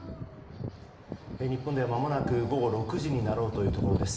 日本ではまもなく午後６時になろうというところです。